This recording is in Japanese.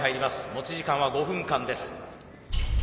持ち時間は５分間です。